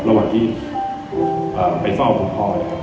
ระหว่างที่ไปเฝ้าคุณพ่อ